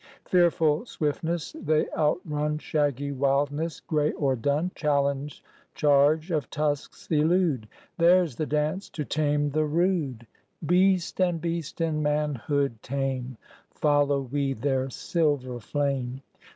Fearful swiftness they outrun, Shaggy wildness, grey or dun, Challenge, charge of tusks elude: Theirs the dance to tame the rude; Beast, and beast in manhood tame, Follow we their silver flame.